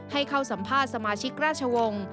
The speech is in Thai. ให้เข้าสัมภาษณ์สมาชิกราชวงศ์